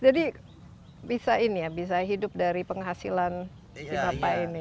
jadi bisa ini ya bisa hidup dari penghasilan kita pak ini